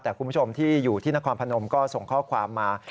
แต่คุณผู้ชมที่อยู่ที่นครพนมก็ส่งข้อความมา